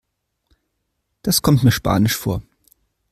Das kommt mir spanisch vor.